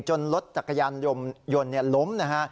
รถจักรยานยนต์ล้มนะฮะ